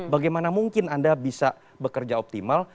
bagaimana mungkin anda bisa bekerja optimal